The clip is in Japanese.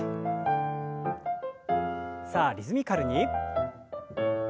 さあリズミカルに。